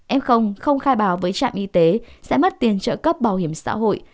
em không không khai báo với trạm y tế sẽ mất tiền trợ cấp bảo hiểm xã hội